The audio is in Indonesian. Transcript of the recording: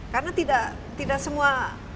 karena tidak semua